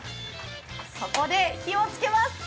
そこで火を付けます。